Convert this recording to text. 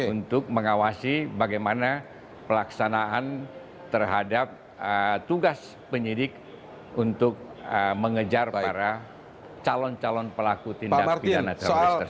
untuk mengawasi bagaimana pelaksanaan terhadap tugas penyidik untuk mengejar para calon calon pelaku tindak pidana teroris tersebut